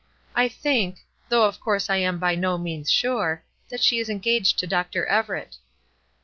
I think though of that I am by no means sure that she is engaged to Dr. Everett.